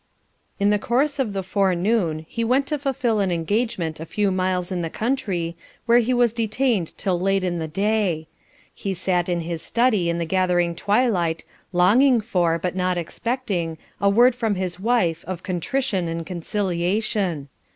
In the course of the forenoon he went to fulfil an engagement a few miles in the country, where he was detained till late in the day. He sat in his study in the gathering twilight longing for, but not expecting, a word from his wife of contrition and conciliation.